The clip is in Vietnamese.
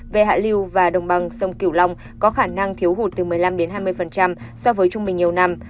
về hạ lưu và đồng bằng sông cửu long có khả năng thiếu hụt từ một mươi năm hai mươi so với trung bình nhiều năm